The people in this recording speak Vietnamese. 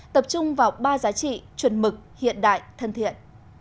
tập trung vào ba giá trị chuẩn mực hiện đại thân thiện